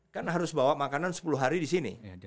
kan harus bawa makanan sepuluh hari di sini